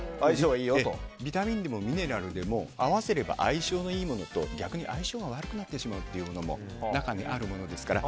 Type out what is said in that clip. ビタミンにもミネラルにも合わせると相性のいいものと、逆に相性が悪くなってしまうというものも中にはあるものですから。